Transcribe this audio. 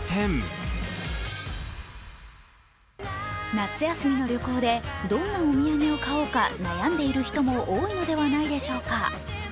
夏休みの旅行でどんなお土産を買おうか悩んでいる人も多いのではないでしょうか。